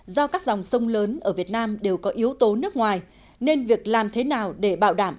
do các dòng sông lớn ở việt nam đều có yếu tố nước ngoài nên việc làm thế nào để bảo đảm